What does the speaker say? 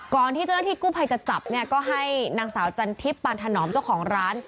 ก่อนที่เจ้าหน้าที่กู้ไพยจะจับก็ให้นางสาวจันทริปปานถนอมเจ้าของร้าน